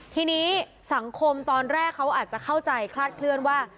ทีนี้สังคมตอนแรกเขาอาจจะเข้าใจคลาดเคลื่อนว่า